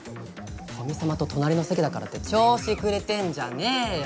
古見様と隣の席だからって調子くれてんじゃねーよ。